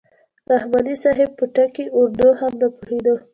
رحماني صاحب په ټکي اردو هم نه پوهېده.